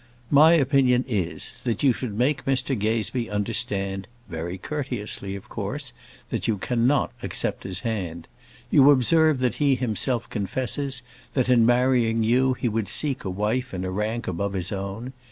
My opinion is, that you should make Mr Gazebee understand very courteously, of course that you cannot accept his hand. You observe that he himself confesses, that in marrying you he would seek a wife in a rank above his own.